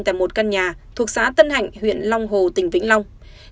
tại một căn nhà thuộc xã tân hạnh huyện long hồ tỉnh vĩnh long